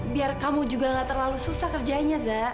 biar kamu juga gak terlalu susah kerjanya za